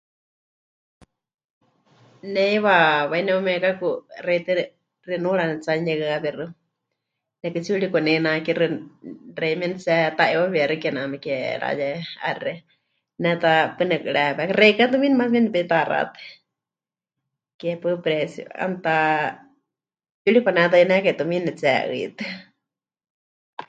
Ne heiwa hawai neumiekaku xewítɨ xinuura netsi'anuyehɨawíxɨ, nekɨtsiuri kwaneinakixɨ, xeimíe pɨnetsiheta'iwawiyaxɨ kename ke raye'axé, ne ta paɨ nekarehɨawékai, xeikɨ́a tumiini más bien nepeitaxatɨa, ke paɨ precio, 'aana ta yuri kwanetainekai tumiini pɨnetsihe'ɨitɨa.